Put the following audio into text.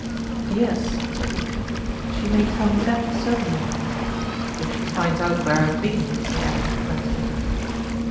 " Yes," said Peter, " she may tell me that, certainly (" if she finds out where I've been," he added, mentally.)